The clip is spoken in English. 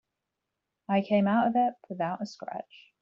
I came out of it without a scratch.